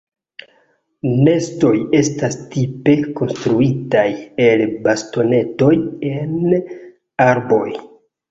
Nestoj estas tipe konstruitaj el bastonetoj en arboj.